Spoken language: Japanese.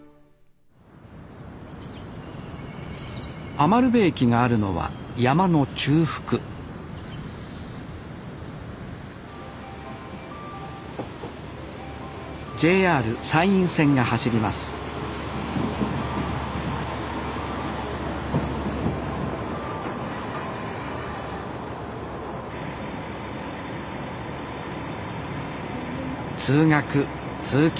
餘部駅があるのは山の中腹ＪＲ山陰線が走ります通学通勤。